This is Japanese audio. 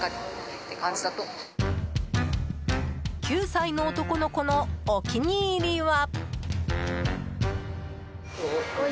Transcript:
９歳の男の子のお気に入りは。